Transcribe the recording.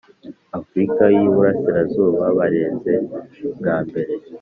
Afurika y Iburasirazuba bareze bwa mbere